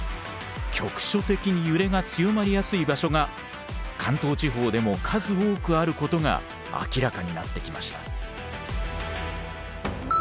局所的に揺れが強まりやすい場所が関東地方でも数多くあることが明らかになってきました。